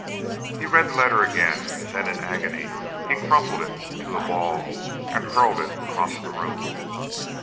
He read the letter again and then in an agony he crumpled it to a ball and hurled it across the room.